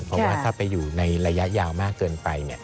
เพราะว่าถ้าไปอยู่ในระยะยาวมากเกินไป